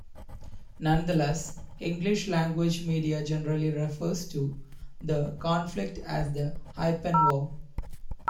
Nonetheless, English language media generally refer to the conflict as the "Hyphen War".